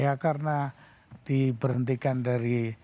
ya karena diberhentikan dari